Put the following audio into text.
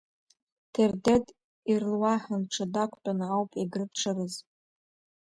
Ҭердеҭ ирлуаҳан-ҽы дақәтәаны ауп Егры дшырыз.